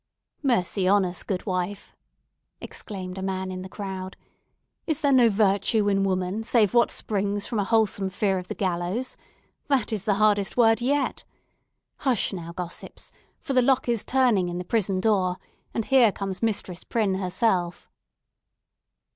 "Mercy on us, goodwife!" exclaimed a man in the crowd, "is there no virtue in woman, save what springs from a wholesome fear of the gallows? That is the hardest word yet! Hush now, gossips for the lock is turning in the prison door, and here comes Mistress Prynne herself."